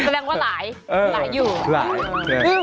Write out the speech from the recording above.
แสดงว่าหลายหลายอยู่หลาย